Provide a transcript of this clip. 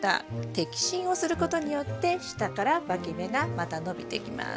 摘心をすることによって下からわき芽がまた伸びてきます。